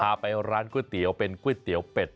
พาไปร้านก๋วยเตี๋ยวเป็นก๋วยเตี๋ยวเป็ด